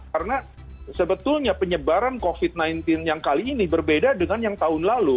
karena sebetulnya penyebaran covid sembilan belas yang kali ini berbeda dengan yang tahun lalu